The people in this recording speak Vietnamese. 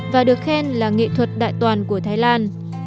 và được khen là nghệ thuật đại toàn của thái lan